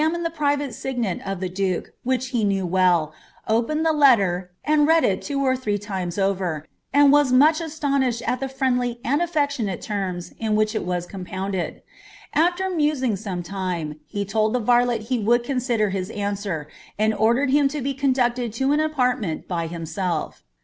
ined the private ei^el of ihe ijitke, which Um letter, and read it Iwo or three timen ovet. and wa« miirh astoiii*lied ■I the Trieiidly luid alTcctionate terms in which ii was compounded. After niuaini; some time, he told the varlet he would consider his antwer, ■nd ordered him to be conducted to an apartment by biniseir.